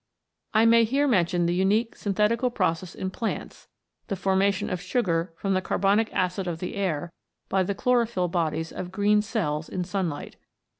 I may here mention the unique synthetical process in plants, the formation of sugar from the carbonic acid of the air by the chlorophyll bodies of green cells in sunlight.